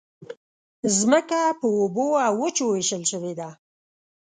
مځکه پر اوبو او وچو وېشل شوې ده.